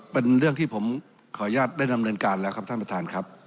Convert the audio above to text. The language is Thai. เป็นเรื่องที่ผมขออนุญาตได้ดำเนินการแล้วครับท่านประธานครับ